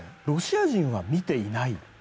ロシア人は見ていない。